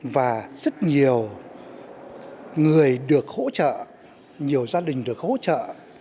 và rất nhiều người được hỗ trợ nhiều gia đình được hỗ trợ